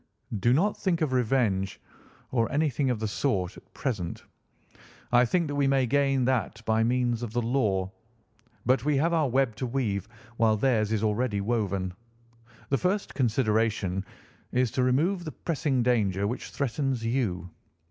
"Do not think of revenge, or anything of the sort, at present. I think that we may gain that by means of the law; but we have our web to weave, while theirs is already woven. The first consideration is to remove the pressing danger which threatens you.